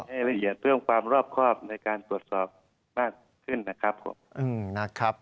ให้ละเอียดเพื่อให้ความรอบครอบในการบรรทบอดสอบมากขึ้นนะครับผม